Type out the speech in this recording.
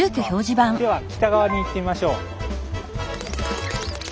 では北側に行ってみましょう。